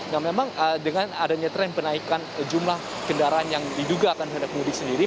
nah memang dengan adanya tren penaikan jumlah kendaraan yang diduga akan hendak mudik sendiri